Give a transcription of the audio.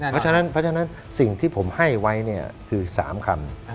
เพราะฉะนั้นสิ่งที่ผมให้ไว้คือ๓คำ